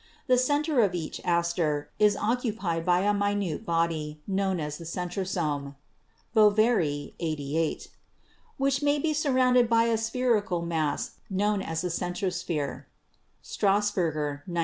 The center of each aster is occupied by a minute body, known as the centrosome (Boveri, '88), which may be surrounded by a spherical mass known as the centrosphere (Strasburger, '93).